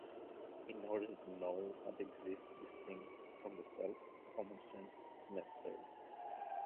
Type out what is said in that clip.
In order to know what exists distinct from the self, common sense is necessary.